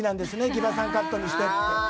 ギバさんカットにしてって。